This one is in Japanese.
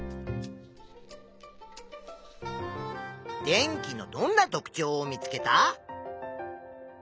電気のどんな特ちょうを見つけた？